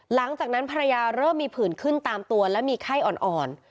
หลังจากนั้นภรรยาเริ่มมีผื่นขึ้นตามตัวและมีไข้อ่อน